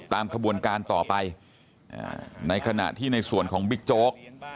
ขบวนการต่อไปในขณะที่ในส่วนของบิ๊กโจ๊ก